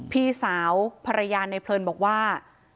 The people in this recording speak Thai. พี่สาวภรรยาในเพลินบอกว่า